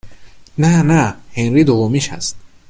نه، نه، هنری دومیش هست